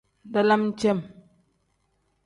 Dalam cem.